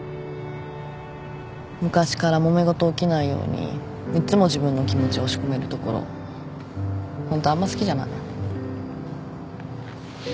昔からもめ事起きないようにいつも自分の気持ち押し込めるところホントあんま好きじゃない。